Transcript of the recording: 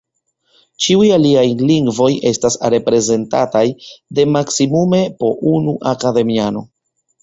Ĉiuj aliaj lingvoj estas reprezentataj de maksimume po unu akademiano.